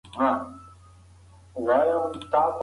لمر د انرژۍ د ترلاسه کولو لپاره ډېر ګټور دی.